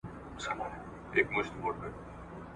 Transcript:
در نیژدې دي هم تر ځان یم هم تر روح، تر نفسونو ,